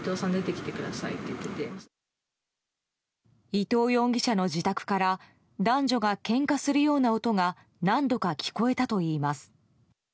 伊藤容疑者の自宅から男女がけんかするような音が何度か聞こえたといいます。